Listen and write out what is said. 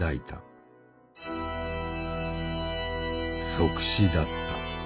即死だった。